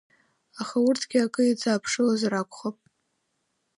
Аха урҭгьы акы иӡааԥшылозар акәхап.